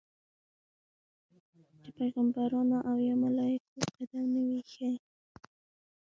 چې پیغمبرانو او یا ملایکو قدم نه وي ایښی.